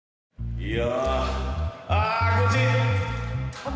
いや